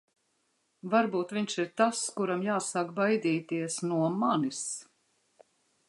Varbūt viņš ir tas, kuram jāsāk baidīties... no manis.